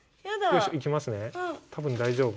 多分大丈夫。